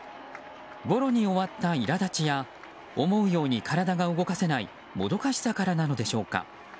ゴロに終わった苛立ちや思うように体が動かせないもどかしさからなのでしょうか。